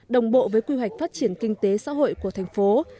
đồng bộ với quy hoạch phát triển kinh tế xã hội của tp hcm